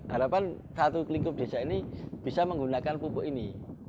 harapan satu lingkup desa ini bisa menggunakan pupuk ini